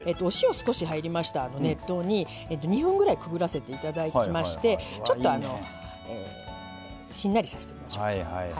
今のみょうがですけれどお塩、少し入りました熱湯に２分ぐらいくぐらせていきましてちょっと、しんなりさせましょう。